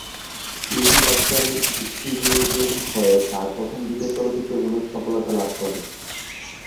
Universal স্টুডিওজের হয়ে তার প্রথম দিকের চলচ্চিত্রগুলো সফলতা লাভ করে।